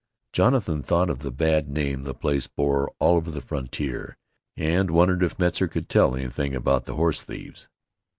Jonathan thought of the bad name the place bore all over the frontier, and wondered if Metzar could tell anything about the horse thieves.